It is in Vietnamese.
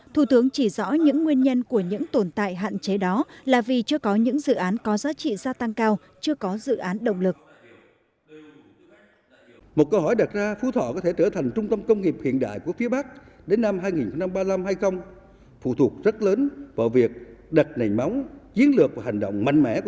thủ tướng chỉ rõ những nguyên nhân của những tồn tại hạn chế đó là vì chưa có những dự án có giá trị gia tăng cao chưa có dự án động lực